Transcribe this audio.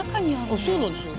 あそうなんですよ。